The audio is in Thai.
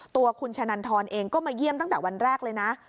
ตัวคุณชะนันทรเองก็มาเยี่ยมตั้งแต่วันแรกเลยนะ